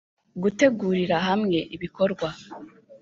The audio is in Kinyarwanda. gutegurira hamwe ibikorwa